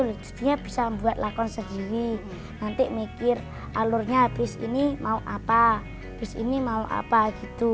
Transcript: dia bisa membuat lakon sendiri nanti mikir alurnya habis ini mau apa terus ini mau apa gitu